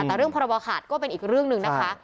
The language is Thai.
แต่เรื่องพรบขาดก็เป็นอีกเรื่องหนึ่งนะคะ